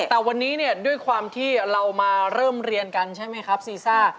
แต่วันนี้เนี่ยด้วยความที่เรามาเริ่มเรียนกันใช่ไหมครับซีซ่า